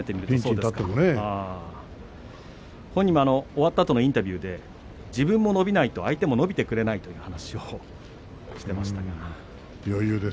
本人も終わったあとのインタビューで自分も伸びないと相手も伸びてくれないという話をしていました。